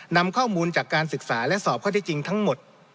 นำข้อมูลจากการศึกษาและสอบข้อที่จริงทั้งหมด